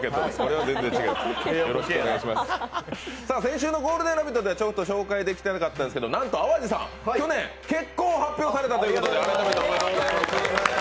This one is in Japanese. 先週の「ゴールデンラヴィット！」では紹介できていなかったんですけど、なんと淡路さん、去年、結婚を発表されたということで。